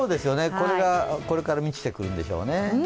これがこれから満ちてくるんでしょうね。